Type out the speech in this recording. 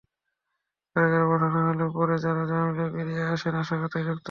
কারাগারে পাঠানো হলে পরে তারা জামিনে বেরিয়ে আবার নাশকতায় যুক্ত হয়।